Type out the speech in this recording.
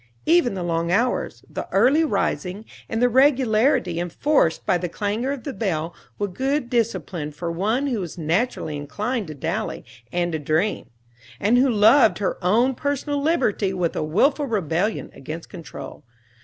Even the long hours, the early rising and the regularity enforced by the clangor of the bell were good discipline for one who was naturally inclined to dally and to dream, and who loved her own personal liberty with a willful rebellion against control.